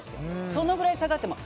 そのぐらい差があっても。